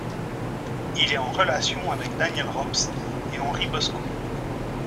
Il est en relation avec Daniel-Rops et Henri Bosco.